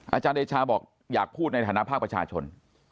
อาจารย์เดชาบอกอยากพูดในฐานะภาคประชาชน